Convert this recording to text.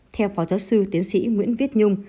theo phó giáo sư tiến sĩ nguyễn viết nhung